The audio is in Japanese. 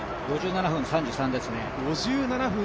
５７分３３ですね。